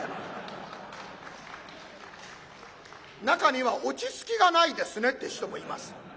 中には「落ち着きがないですね」って人もいます。